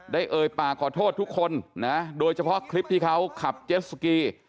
เอ่ยปากขอโทษทุกคนนะโดยเฉพาะคลิปที่เขาขับเจ็ดสกี